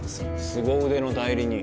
すご腕の代理人